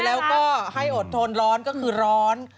แล้วก็ให้อดทนร้อนก็คือร้อน